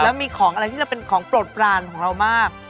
แล้วมีของอะไรที่จะเป็นของโปรดปรานของเรามาก